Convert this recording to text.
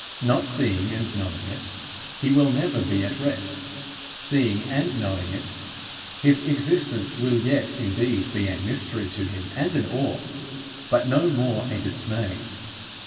Not seeing and knowing it, he will never be at rest; seeing and knowing it, his existence will yet indeed be a mystery to him and an awe, but no more a dismay.